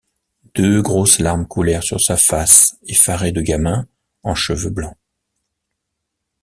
Deux grosses larmes coulèrent sur sa face effarée de gamin en cheveux blancs.